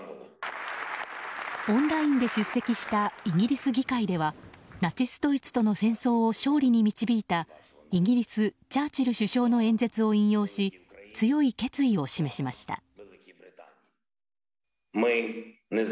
オンラインで出席したイギリス議会ではナチスドイツとの戦争を勝利に導いたイギリスチャーチル首相の演説を引用し強い決意を示しました。